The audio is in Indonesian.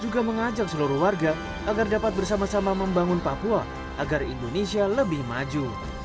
juga mengajak seluruh warga agar dapat bersama sama membangun papua agar indonesia lebih maju